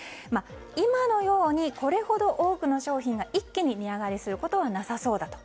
今のようにこれほど多くの商品が一気に値上がりすることはなさそうだと。